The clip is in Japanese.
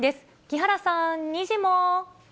木原さん、にじモ。